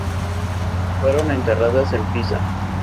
Fueron enterradas en Pisa.